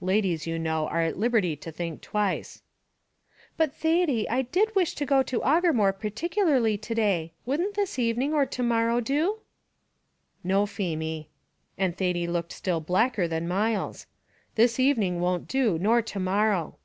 "Ladies, you know, are at liberty to think twice." "But, Thady, I did wish to go to Aughermore particularly to day; wouldn't this evening or to morrow do?" "No, Feemy," and Thady looked still blacker than Myles; "this evening won't do, nor to morrow."